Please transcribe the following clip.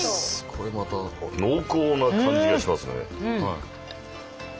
これまた濃厚な感じがしますね。